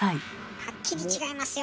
はっきり違いますよ。